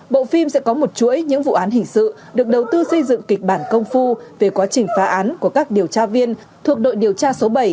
bộ phim sẽ có một chuỗi những vụ án hình sự được đầu tư xây dựng kịch bản công phu về quá trình phá án của các điều tra viên thuộc đội điều tra số bảy